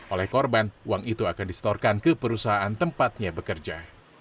oleh korban uang itu akan disetorkan ke perusahaan tempatnya bekerja